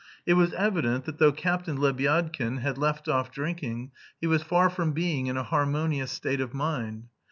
It was evident that though Captain Lebyadkin had left off drinking he was far from being in a harmonious state of mind.